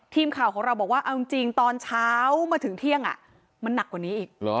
ทีมข่าวของเราบอกว่าเอาจริงตอนเช้ามาถึงเที่ยงมันหนักกว่านี้อีก